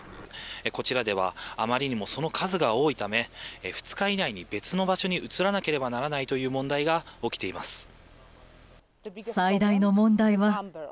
こちらではあまりにもその数が多いため２日以内に別の場所に移らなければならないという問題が起きています。